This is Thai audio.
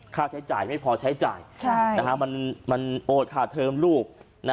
ค่าใช้จ่ายไม่พอใช้จ่ายมันโอนค่าเทอมลูก